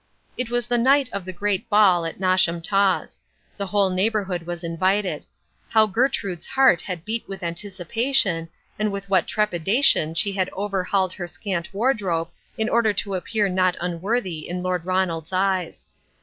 It was the night of the great ball at Nosham Taws. The whole neighbourhood was invited. How Gertrude's heart had beat with anticipation, and with what trepidation she had overhauled her scant wardrobe in order to appear not unworthy in Lord Ronald's eyes.